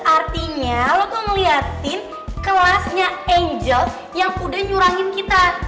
artinya lo kok ngeliatin kelasnya angels yang udah nyurangin kita